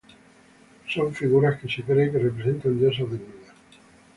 Son figuras que se cree que representan diosas desnudas.